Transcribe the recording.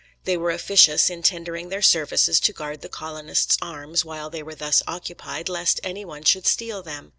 They were officious in tendering their services to guard the colonists' arms while they were thus occupied, lest any one should steal them.